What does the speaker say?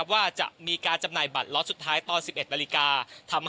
ว่าจะมีการจำหน่ายบัตรล็อตสุดท้ายตอน๑๑นาฬิกา